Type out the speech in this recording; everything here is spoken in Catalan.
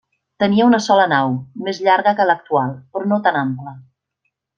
Tenia una sola nau, més llarga que l'actual, però no tan ampla.